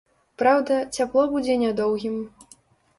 Праўда, цяпло будзе нядоўгім.